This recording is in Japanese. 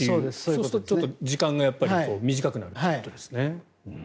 そうするとちょっと時間が短くなるということですね。